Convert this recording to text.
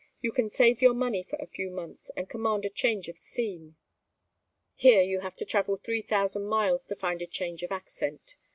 You can save your money for a few months and command a change of scene. Here you have to travel three thousand miles to find a change of accent.